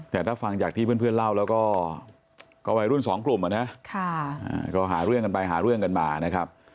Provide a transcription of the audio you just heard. แต่ถ้าฟังจากที่เพื่อนเล่าแล้วก็วัยรุ่นสองกลุ่มอ่ะนะก็หาเรื่องกันไปหาเรื่องกันมานะครับ